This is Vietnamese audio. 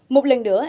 một lần nữa